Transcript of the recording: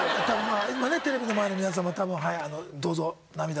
今ねテレビの前の皆さんもたぶん。